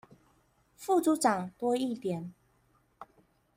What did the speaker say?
副組長多一點